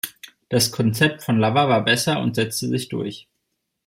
Das Konzept von Lover war besser und setzte sich durch.